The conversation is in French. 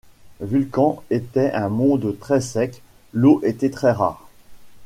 Vulcain étant un monde très sec, l'eau était très rare.